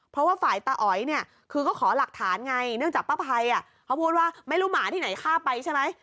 เพราะว่าฝ่ายตาอ๋อยเนี่ยคือก็ขอหลักฐานไงเนื่องจากป้าภัยเขาพูดว่าไม่รู้หมาที่ไหนฆ่าไปใช่ไหม